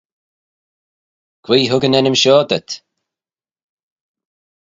Quoi hug yn ennym shoh dhyt?